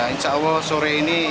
insya allah sore ini